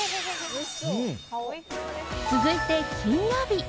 続いて金曜日。